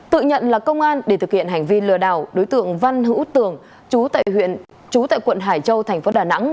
tự nhận là công an để thực hiện hành vi lừa đảo đối tượng văn hữu tường trú tại quận hải châu thành phố đà nẵng